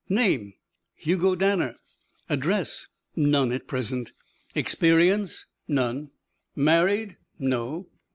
"Name?" "Hugo Danner." "Address?" "None at present." "Experience?" "None." "Married?" "No."